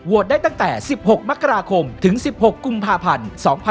ได้ตั้งแต่๑๖มกราคมถึง๑๖กุมภาพันธ์๒๕๖๒